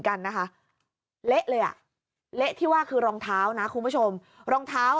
กันนะคะเละเลยอ่ะเละที่ว่าคือรองเท้านะคุณผู้ชมรองเท้า